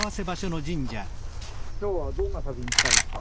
今日はどんな旅にしたいですか？